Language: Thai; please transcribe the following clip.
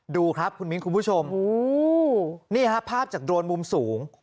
ดูครับคุณมิ้นคุณผู้ชมนี่ฮะภาพจากโดรนมุมสูง